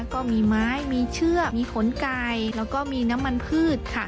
ก็มีไม้มีเชือกมีขนไก่แล้วก็มีน้ำมันพืชค่ะ